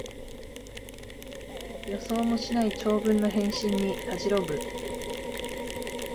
予想もしない長文の返信にたじろぐ